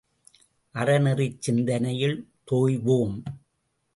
அறநெறிச் சிந்தனையில் தோய்வோம்.